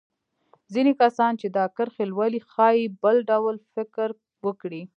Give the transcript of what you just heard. ځينې کسان چې دا کرښې لولي ښايي بل ډول فکر وکړي.